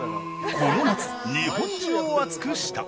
この夏、日本中を熱くした。